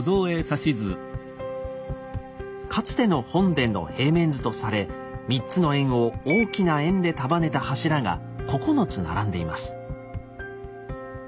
かつての本殿の平面図とされ３つの円を大きな円で束ねた柱が９つ並んでいます。